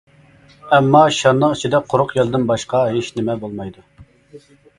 ئەمما شارنىڭ ئىچىدە قۇرۇق يەلدىن باشقا ھېچ نېمە بولمايدۇ.